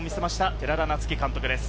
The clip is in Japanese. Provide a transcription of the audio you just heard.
寺田夏生監督です。